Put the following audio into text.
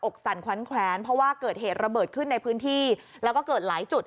สั่นขวัญแขวนเพราะว่าเกิดเหตุระเบิดขึ้นในพื้นที่แล้วก็เกิดหลายจุด